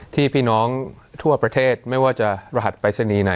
พี่น้องทั่วประเทศไม่ว่าจะรหัสปรายศนีย์ไหน